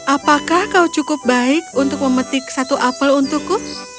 apakah kau cukup baik untuk memetik satu apel untukku